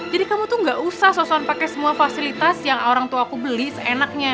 jadi kamu tuh gak usah soson pakai semua fasilitas yang orangtuaku beli seenaknya